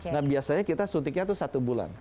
nah biasanya kita suntiknya tuh satu bulan